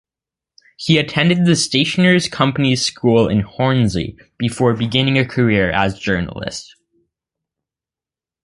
He attended the Stationers' Company's School in Hornsey before beginning a career as journalist.